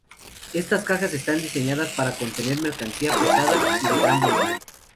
Estas cajas están diseñadas para contener mercancía pesada y de gran volumen.